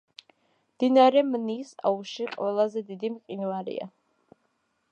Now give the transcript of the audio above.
მდინარე მნის აუზში ყველაზე დიდი მყინვარია.